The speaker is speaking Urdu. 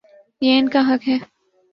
یہ ان کا حق ہے۔